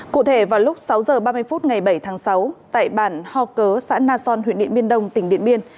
cụ thể vào lúc sáu h ba mươi phút ngày bảy tháng sáu tại bản ho cớ xã na son huyện điện biên đông tỉnh điện biên